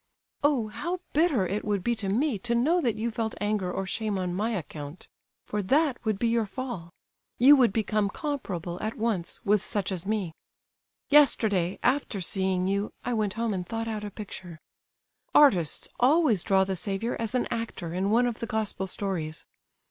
Oh! how bitter it would be to me to know that you felt anger or shame on my account, for that would be your fall—you would become comparable at once with such as me. "Yesterday, after seeing you, I went home and thought out a picture. "Artists always draw the Saviour as an actor in one of the Gospel stories.